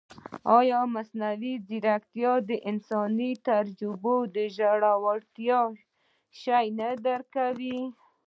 ایا مصنوعي ځیرکتیا د انساني تجربې ژورتیا نه شي درک کولی؟